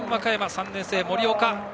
３年生、森岡。